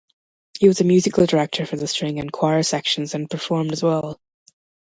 He was musical director for the string and choir sections and performed as well.